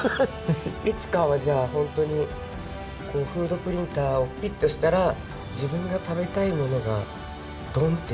いつかはじゃあ本当にこうフードプリンターをピッとしたら自分が食べたいものがドンって。